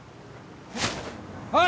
おい！